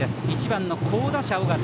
１番の好打者、緒方。